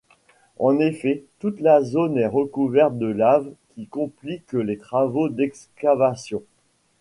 En effet, toute la zone est recouverte de lave qui complique les travaux d'excavation.